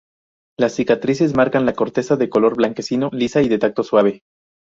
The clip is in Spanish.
Las cicatrices marcan la corteza de color blanquecino, lisa y de tacto suave.